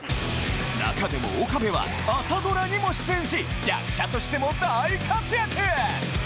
中でも岡部は、朝ドラにも出演し、役者としても大活躍。